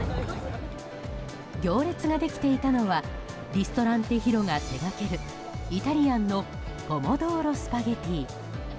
行列ができていたのはリストランテ・ヒロが手がける、イタリアンのポモドーロスパゲッティ。